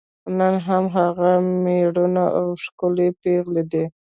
نن هم هغه میړونه او ښکلي پېغلې دي.